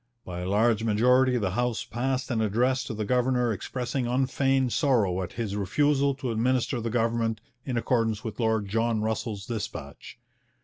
By a large majority the House passed an address to the governor expressing unfeigned sorrow at his refusal to administer the government in accordance with Lord John Russell's dispatch.